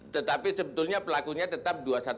tetapi sebetulnya pelakunya tetap dua ratus dua belas